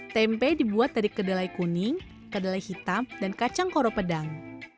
tempe dibuat dari kedelai kuning kedelai hitam dan kacang koro pedang